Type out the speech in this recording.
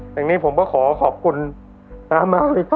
อย่างนี้ผมก็ขอขอบคุณน้ามากเลย